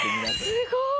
すごい。